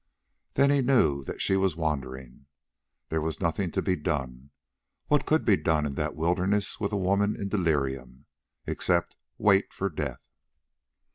Then he knew that she was wandering. There was nothing to be done. What could be done in that wilderness with a woman in delirium, except wait for death?